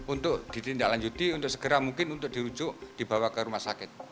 untuk ditindaklanjuti untuk segera mungkin untuk dirujuk dibawa ke rumah sakit